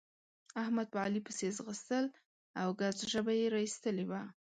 احمد په علي پسې ځغستل او ګز ژبه يې را اېستلې وه.